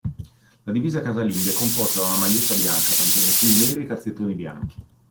La divisa casalinga è composta da una maglietta bianca, pantaloncini neri e calzettoni bianchi.